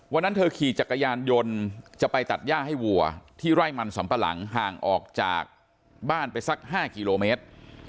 วันนั้นเธอขี่จักรยานยนต์จะไปตัดย่าให้วัวที่ไร่มันสำปะหลังห่างออกจากบ้านไปสัก๕กิโลเมตร